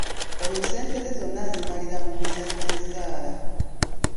Oyo ssente ze zonna azimalira mu kuzannya zzaala.